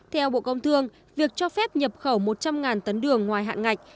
theo bộ công thương việc cho phép nhập khẩu một trăm linh tấn đường ngoài hạn ngạch